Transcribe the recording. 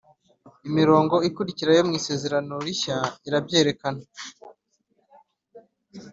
Imirongo ikurikira yo mu Isezerano Rishya irabyerekena: